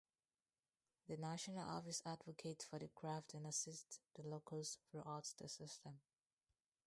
The National Office advocates for the craft and assists the Locals throughout the system.